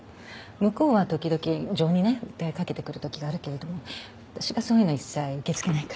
向こうは時々情にね訴えかけてくる時があるけれども私がそういうの一切受け付けないから。